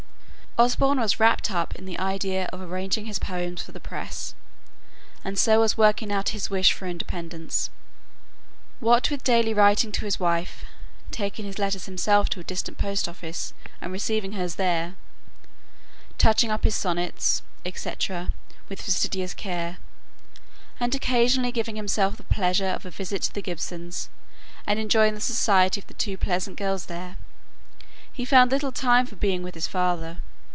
Osborne was wrapt up in the idea of arranging his poems for the press, and so working out his wish for independence. What with daily writing to his wife taking his letters himself to a distant post office, and receiving hers there touching up his sonnets, &c., with fastidious care and occasionally giving himself the pleasure of a visit to the Gibsons, and enjoying the society of the two pleasant girls there, he found little time for being with his father.